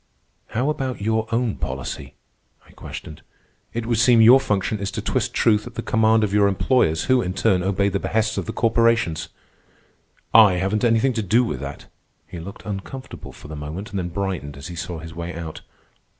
"How about your own policy?" I questioned. "It would seem your function is to twist truth at the command of your employers, who, in turn, obey the behests of the corporations." "I haven't anything to do with that." He looked uncomfortable for the moment, then brightened as he saw his way out.